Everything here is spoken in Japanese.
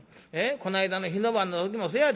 こないだの火の番の時もせやで。